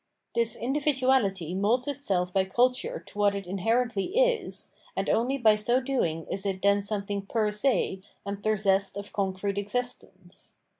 This individuahty moulds itself by culture to what it inherently is, and only by so doing is it then something per se and possessed of concrete existence.